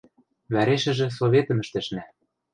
Вӓрешӹжӹ советым ӹштӹшнӓ.